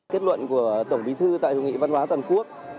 kết luận của tổng bí thư tại hội nghị văn hóa toàn quốc